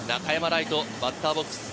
礼都、バッターボックス。